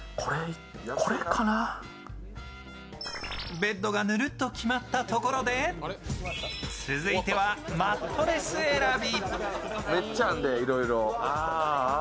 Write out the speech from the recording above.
ベッドがぬるっと決まったところで続いてはマットレス選び。